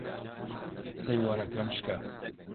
سەیوانەکەم شکا.